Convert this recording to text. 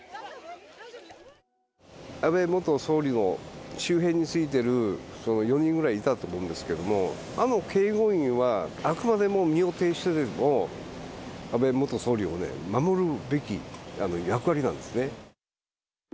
安倍元総理の周辺についてる、４人ぐらいいたと思うんですけど、あの警護員はあくまでも身をていしてでも、安倍元総理をね、守るべき役割なんですね。